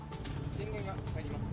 電源が入ります。